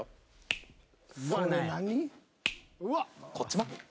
こっちも。